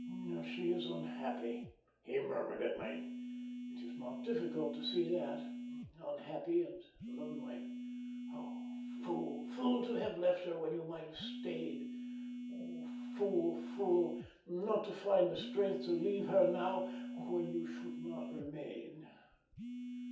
"She is unhappy," he murmured at length. "It is not difficult to see that.... Unhappy and lonely. Oh, fool, fool to have left her when you might have stayed! Oh, fool, fool, not to find the strength to leave her now when you should not remain!"